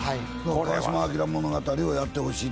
川島明物語をやってほしいと。